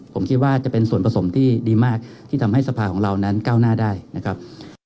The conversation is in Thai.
ผมคิดว่าจะเป็นส่วนผสมที่ดีมากที่ทำให้สภาของเรานั้นก้าวหน้าได้นะครับ